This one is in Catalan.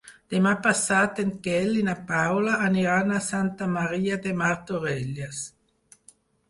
Demà passat en Quel i na Paula aniran a Santa Maria de Martorelles.